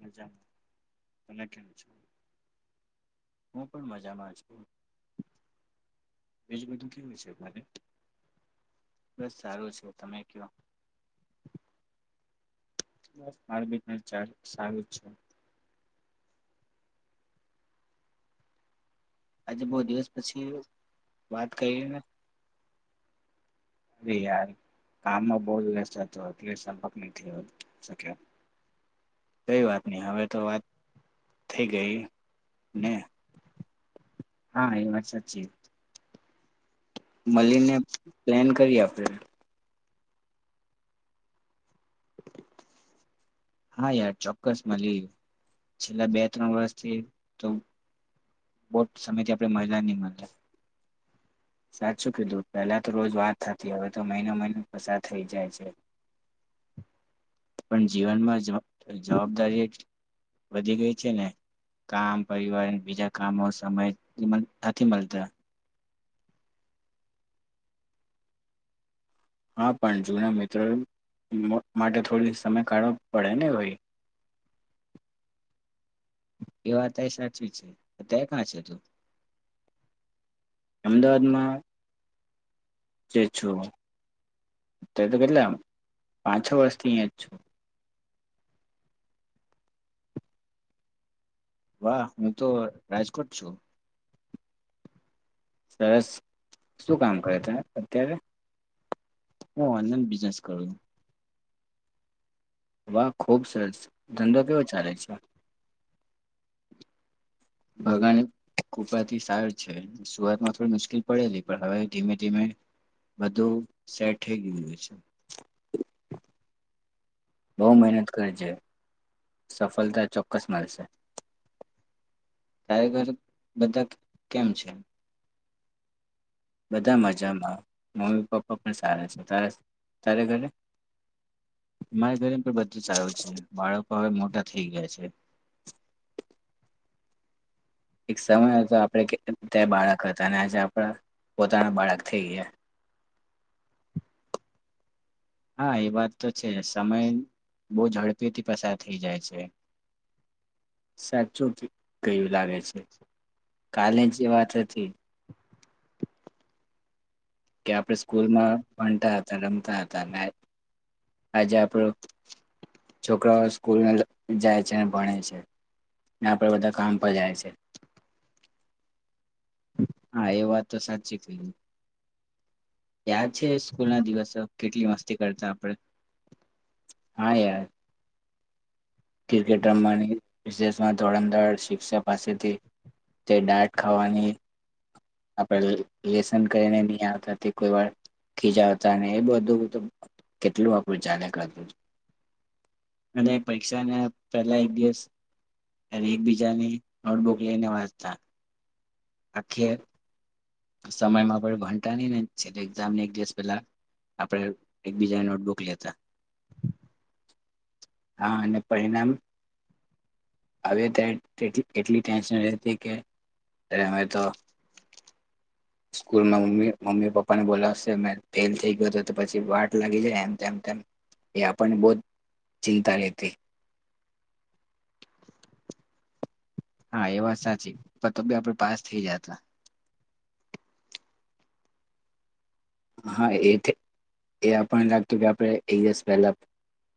મજામાં. તમે કેમ છો? હું પણ મજામાં છું બસ સારું છે તમે કહ્યો હાર્દિક હાલચાલ સારું જ છે આજે બહુ દિવસ પછી વાત કયરી ને અરે યાર કામમાં બોલ વ્યસ્ત હતો એટલે સંપર્ક નથી થયો હોય શકે કઈ વાત નહી હવે તો વાત થઈ ગઈ ને હા એ વાત સાચી મલીને પ્લેન કરીએ આપણે હા યાર ચોક્કસ મળીએ છેલ્લા બે ત્રણ વર્ષથી તો બહુત સમય થી આપડે મહિલા નહી મયલા સાચું કીધું પહેલા તો રોજ વાત થતી હવે તો મહિનો મહિનો પસાર થઈ જાય છે. પણ જીવનમાં જવા જવાબદારી એ વધી ગઈ છે ને કામ પરિવાર બીજા કામો સમય નથી મળતા હા પણ જૂના મિત્રો મોં માટે થોડી સમય કાઢવો પડે ને ભાઈ એ વાત એ સાચી છે અત્યારે કાં છે તું અમદાવાદમાં જે છું તે તો કેટલા પાંચ છ વર્ષથી અહીંયા જ છું વાહ હું તો રાજકોટ છું સરસ શું કામ કરે તે અત્યારે હું ઓનલાઈન બિઝનેસ કરું હું. વાહ ખુબ સરસ ધંધો કેવો ચાલે છે? ભગાને કુપાથી સારું છે સુરવાત માં થોડી મુશ્કેલ પડેલી પણ હવે ધીમે ધીમે બધું સેટ થઈ ગયું હોય છે બઉ મહેનત કરજે સફળતા ચોક્કસ મળશે તારે ઘરે બધા કેમ છે? બધા મજામાં મમ્મી પપ્પા પણ સારા છે તારે તારે ઘરે મારા ઘરે પણ બધું સારું છે બાળકો હવે મોટા થઈ ગયા છે. એક સમય હતો આપણેે કે તે બાળક હતા અને આજે આપડા પોતાના બાળક થઈ ગયા. હા એ વાત તો છે, સમય બહુ ઝડપીથી પસાર થઈ જાય છે. સાચું એવું લાગે છે, કાલે જે બચે છે કે આપણે સ્કૂલમાં ભણતા હતા રમતા હતાં ને આજે આપણો છોકરાઓ સ્કૂલ જાય છે, અને ભણે છે. ને આપડે બધા કામ પર જાય છે, હા એ વાત તો સાચી કયરી યાદ છે સ્કૂલ ના દિવસો કેટલી મસ્તી કરતા આપડે. હા યાર ક્રિકેટ રમવાની રીશેષમાં ધોરણધર શિક્ષા પાસેથી. તે દાટ ખાવાની, આપ લેસન કરીને નહી આવતા તે કોઈ વાર ખીજા હતા અને એ બધું તો કેટલું આપણું ચાલ્યા કરતું. અને પરીક્ષાને પહેલા એક દિવસ ત્યારે એકબીજાની, નોટબુક લઈને વાંચતા આખેર સમયમાં આપને ભણતા નહી ને છેલ્લે એક્ઝામને એક દિવસ પેલા આપણે એકબીજા નોટબુક લેતા. હા અને પરિણામ હવે ત્યારે એટલી એટલી ટેન્શન રહેતી કે અમે તો સ્કૂલમાં મમ્મી મમ્મી પપ્પાને બોલાવશે મે ફેલ થઈ ગયો હતો તો પછી વાટ લાગી જાય એમ તેમ તેમ. એ આપણને બહુ જ ચિંતા રહેેતી હા એ વાત સાચી પણ તોબે પાસ થઈ જાતા. હા એતે એ આપણ ને લાગતું કે આપડે એક દિવસ પેલા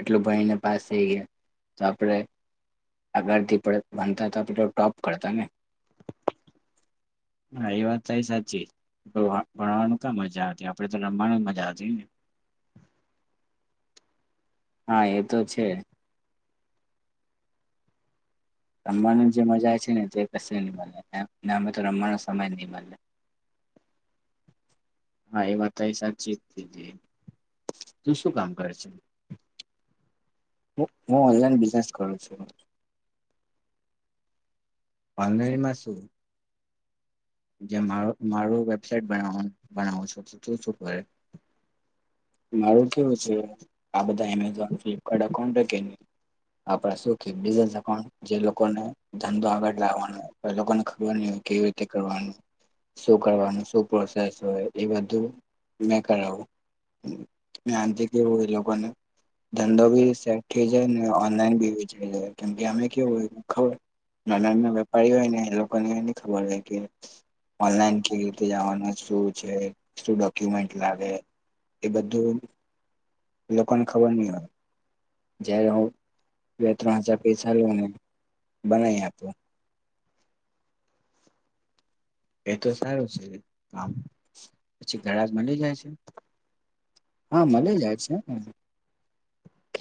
એટલું ભણીને પાસ થઈ ગયા. તો આપણે આગળથી ભણતા તો આપણે ટોપ કરતા ને, હા એ વાત તારી સાચી ભણ ભણવાનું ક્યાં મજા આવતી આપડે તો રમવાનું મજાતી ને. હા એતો છે. રમવાની જે મજા છે ને કશું નહીં મળે અને અમને તો રમવાનો સમય નહીં મળે. [unintelligible] [inaudible] હા એ વાત તારી સાચી થઈ જઈ તું શું કામ કરે છે? હું હું ઓનલાઈન બિઝનેસ કરું છું. ઓનલાઈન માં સુ જે મારો મારું વેબસાઈટ બનાવો બનાવું છુ તું શું કરે? મારું કેવું છે આ બધા એમેઝોન ફ્લિપકાર્ટ અકાઉન્ટ હે કે નહીં. આપણે શું કે બિઝનેસ અકાઉન્ટ જે લોકોને ધંધો આગળ લાવવાનો એ લોકોને ખબર ન હોય કેવી રીતે કરવાનું શું કરવાનું સુ પ્રોસેસ હોય એ બધું મેં કરાવું અને આનાથી કેવું હોય એ લોકોને ધંધો ભી સેટ થઈ જાય ને ઓનલાઈન ભી વેચાય જાય કેમકે અમે કેવું હોય ખબર નાના નાના વેપારી હોય ને એ લોકોનેની એની ખબર હોય કે ઓનલાઈન કે રીતે જવાનું શું છે શું ડોક્યુમેન્ટ લાગે. એ બધું લોકોને ખબર નહીં હોય જયારે હું બે-ત્રણ [unintelligible] સારી વોને બનાવી આપું એ તો સારું છે, કામ પછી ગરાક મળી જાય છે? હા મળી જાય છે.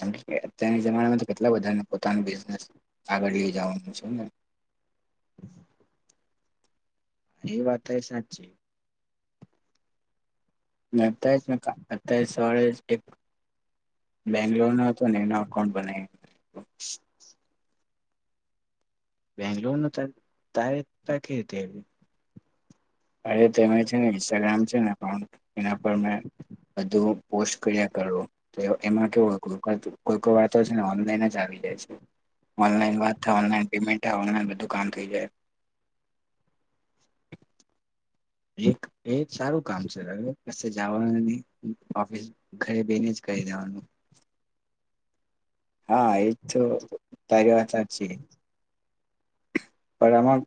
એમ કહે અત્યારની જમાનામાં તો કેટલા બધાનું પોતાનું બિઝનેસ આગળ લઈ જવાનું છે ને એ [inaudible] એ વાત એ સાચી ને અત્યારેજ એક ટક્કા અત્યારેજ સવારે જ એક બેંગ્લોરનો હતો ને એનો અકાઉન્ટ બનાયુ બેંગ્લોુરનું તારી તારી કેવી રીતે આયવી અરે તેમાં છે ને ઇન્સ્ટાગ્રામ છે ને અકાઉન્ટ એના પર મેં બધું પોસ્ટ કર્રિયા કરવું તો એમાં કેવું કો કોઈ કોઈ વાતો છે ને ઓનલાઈન જ આવી જાય છે ઓનલાઈન વાત થાય ઓનલાઈન પેમેન્ટ આવે ઓનલાઈન બધું કામ થઈ જાય એક એ સારું કામ છે તારું કસે જવાનું નહી ઓફિસ ઘરે બેઈને જ કરી દેવાનું હા એજ તો તારી વાત સાચી પણ આમાં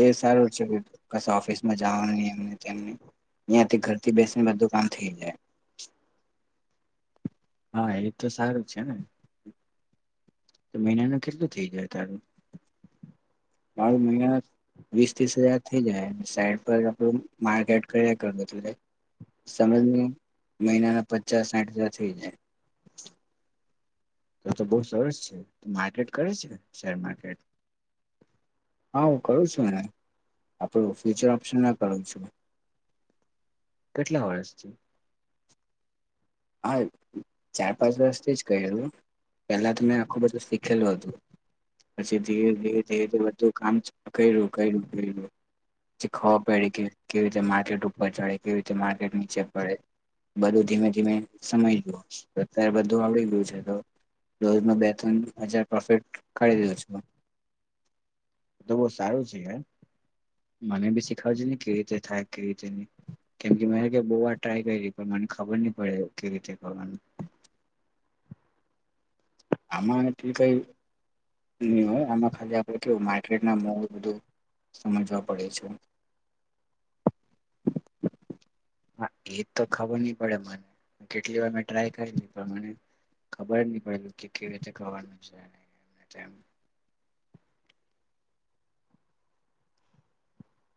એ સારું છે કસે ઓફિસમાં જવાનું નહી એમ નહી તેમ નહી અહીંયા થી ઘર થી બેસને બધું કામ થઈ જાય હા એ તો સારું જ છે ને તો મહિનાનું કેટલું થઇ જાય તારું બાર મહિના વીસ ત્રીસ હજાર થઈ જાય સાઈડ પર આપડું માર્કેટ કર્યા કરુ સમજની મહિનાના પચાસ સાહીઠ હજાર થઈ જાય આતો તો બહું સરસ છે માર્કેટ કરે છે શેર માર્કેટ હા હું કરું છું ને આ તો ફ્યુચર ઓપ્શનને પણ છે કેટલા વર્ષથી આ ચાર પાંચ વર્ષથી જ કર્યું પેલા તો મેં આખું બધું શીખેલું હતું. પછી ધીરે ધીરે ધીરે ધીરે બધું કામ ચાલુ કર્યું કર્યું કર્યું જે ખબર પઈડી કે કેવી રીતે માર્કેટ ઉપર ચડે કેવી રીતે માર્કેટ નીચે પડે બધું ધીમે ધીમે સમઈ જુ અત્યારે બધું આવડી ગયું છે તો રોજ નો બે ત્રણ હજાર પ્રોફિટ કાઢી દીધું છે. તો બહું સારું છે યાર મને બી શિખવાળ જે ને કેવી રીતે થાય કેવી રીતે નહી કેમ કે મે બહુ વાર ટ્રાય કરી પણ મને ખબર નહી પડે કેવી રીતે કરવાનું આમાં એટલી કઈ નહી હોય આમાં ખાલી આપણેે કેવું માર્કેટના મોડ બધું સમજવા પડે છે. હા એજ તો ખબર નહી પડે મને કેટલી વાર મેં ટ્રાય કરીલી ખબર નહ કે કેવી રીતે કરવાનું છે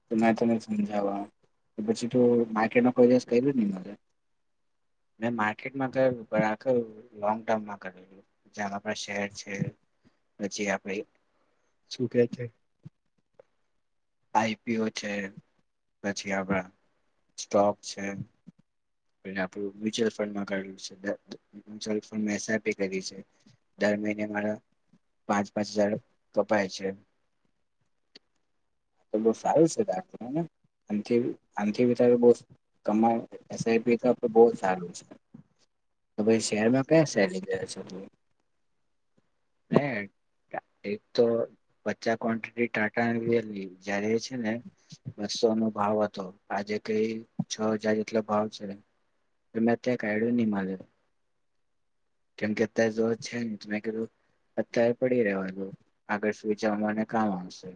તો મેં તને સમજાવવા પછી તો માર્કેટમાં કોઈ દિવસ કર્યું નહી મારે મેં માર્કેટમાં કર્યું પણ આ વખત લોંગ ટર્મમાં કરેલું જેમાં શેર છે પછી આપણે શું કે છે. આઈ. પી. ઑ છે પછી આપડા સ્ટોક છે. પેલા આપણું મ્યુચ્યુઅલ ફંડમાં કરેલું છે મ્યુચ્યુઅલ ફંડમાં એસ. આઈ. પી કરી છે દર મહિને મારા પાંચ પાંચ હજાર કપાય છે. તો બહુ સારું છે રાખને આથી આનથી વધારે બઉ કમાવા એસ. આઈ. પી તો આપડે બહું સારું છે. તો ભઈ શહ શેર કયાં છે. હે એક તો પચાસ કોનટીટી ટાટા રિયલની જ્યારે છે ને બસ્સો નો ભાવ હતો આજે કઈ છ હજાર જેટલો ભાવ છે. મે અત્યાર કાઈડું નિ માગેલું કેમ કે અત્યારે જો છે ને મે કીધું અત્યારે પડી રેવા દો આગળ સૂઈ જવા માટે કામ આવશે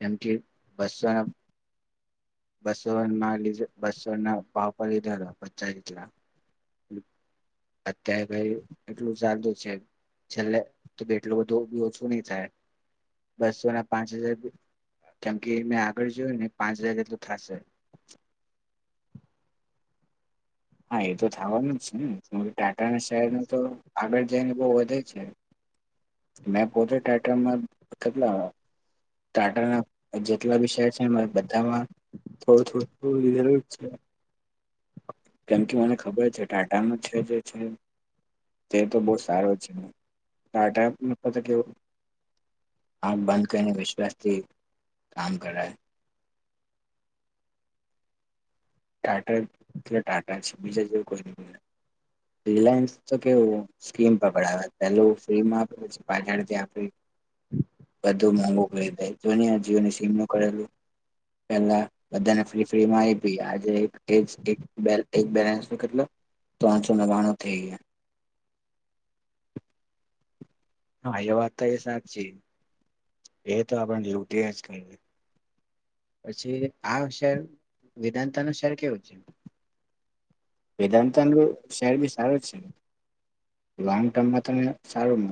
જેમથી બસ્સો ને બસ્સો ના લીધ બસ્સો ના ભાવ પર લીધા પચાસ જેટલા અત્યારે ભાઈ એટલું ચાલતું છે છેલ્લે તો બેટલું બધું બી ઓછું નહી થાય બસ્સો ના પાંચ હજાર કેમ કે મેં આગળ જોયું ને પાંચ હજાર જેટલું થશે હા એ તો થવાનું જ છે ને કેકે ટાટાના શેર નું તો આગળ જઈને ભાવ વધે છે મે પોતે ટાઇટલમાં કેટલા ટાટા ના જેટલા બી શેર છે મૈં બધામાં થોડું થોડું લીધેલું જ છે કેમ કે મને ખબર છે ટાટામાં છે જે છે તે તો બહુ સારો છે ટાટા આ તો કેવુ આખ બંધ કરીને વિશ્વાસથી કામ કરાય. ટાટા એલે ટાટા છે બીજા જેવું કોઈ નહિ. રિલાયન્સ તો કેવું સ્કીમમાં પડાવે પેલું ફ્રીમાં આપે પાછળથી [unintelligible] બધું મોઘું કરી દે જો ને આ જીઓની સ્કીમનું કરેલું. પેલા બધાને ફ્રી ફ્રી [unintelligible] તો એક એક એક બેલેન્સ ના કેટલા ત્રણસો નવાણું થઈ ગયા. હા એ વાત તો એ સાચી એ તો આપણે લુટિયા જ કરીએ. પછી આ શેર વેદાંતાનો શેર કેવો છે? વેદાંતનો શેર બી સારો જ છે લોંગ ટર્મમાં તને સારું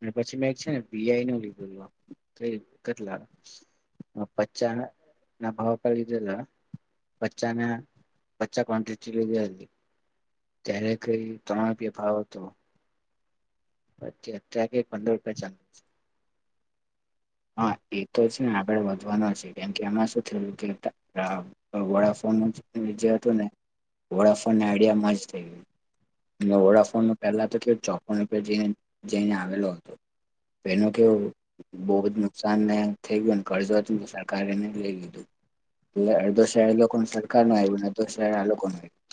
અને પછી મેં એક છે ને બીઆઈનો લીધો તો તો એ કેટલા અ પચાના ના ભાવ પર લીધેલા. પચાના પચા કોન્ટીટી લીધી હતી. ત્યારે કઈ ત્રણ રૂપિયા ભાવ હતો. પછી અત્યારે કઈ પંદર રૂપિયા ચાલે છે. હા એ તો છે ને આગળ વધવાનો છે કેમ કે એમાં શું થયું કે [unintelligible] વડાફોનનું જે હતું ને વડાફોન ને આઈડિયા મર્જ થઈ ગયું. ન વોડાફોનનું પહેલાં તો કે ચોપન રૂપિયા જે જે અહીંયા આવેલો હતો પહેલા કેવું બોવ જ [unintelligible] થઈ ગયું ને ઘર જે હતું તે સરકારે લઈ લીધું. એલે અડધો શેર લોકો સરકાર નો આયો ને અડધો શેર આ લોકો [unintelligible]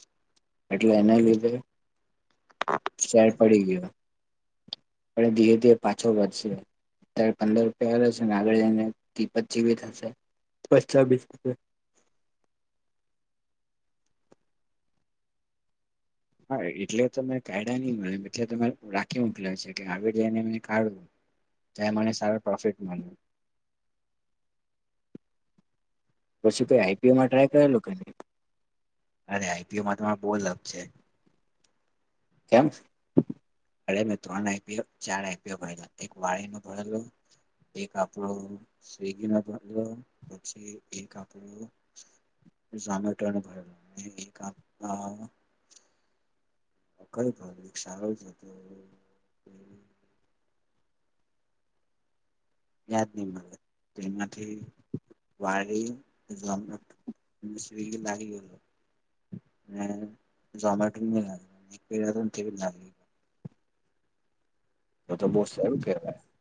એટલે એના લીધે શેર પડી પણ ધીરે ધી પાછો વધશે અત્યારે પંદર [unintelligible] છેને આગળ જઇને વીસ પચી બી થશે પછ છવીસ હા એટલે તો મેં કાઇઢા નહી [unintelligible] રાખી મુક્યા છે [unintelligible] તે મને સારો પ્રોફિટ મલે. પછી તે આઈપીઓમાં ટ્રાય કરેલો કે નહી? અને આઈપીઓમાં તો મારે બહુ લક છે. એમ. અરે મેં ત્રણ આઈપીઓ ચાર આઈપીઓ ભરેલા એક વારી નો ભરેલો. એક આપણો સ્વિગીનો ભરેલો પછી એક આપણો [unintelligible] નો ભરેલો એક [unintelligible] કયો [unintelligible] સારો છે તો. યાદ નહિ મને તો એમાંથી વારી [unintelligible] સ્વીગી [unintelligible] અને ઝોમેટો [unintelligible] તો તો બહુ સેલુ કહેવાય.